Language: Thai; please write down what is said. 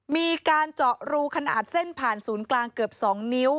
มีการเจาะรูขนาดเส้นผ่านศูนย์กลางเกือบ๒นิ้ว